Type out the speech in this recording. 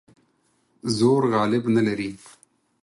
زور غالب نه لري.